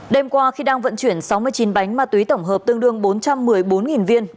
đêm qua khi đang vận chuyển sáu mươi chín bánh ma túy tổng hợp tương đương bốn trăm một mươi bốn viên